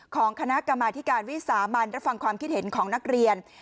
ของคณะกรรมาธิการวิสามันรับฟังความคิดเห็นของนักเรียน